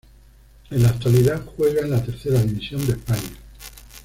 En la actualidad, juega en la Tercera División de España.